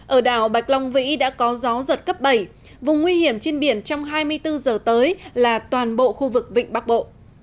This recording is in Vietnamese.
ở đảo bạch long vĩ đã có gió giật cấp bảy vùng nguy hiểm trên biển trong hai mươi bốn giờ tới là toàn bộ khu vực vịnh bắc bộ